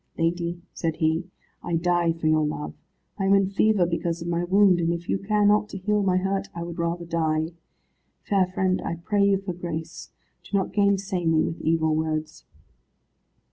"Lady," said he, "I die for your love. I am in fever because of my wound, and if you care not to heal my hurt I would rather die. Fair friend, I pray you for grace. Do not gainsay me with evil words."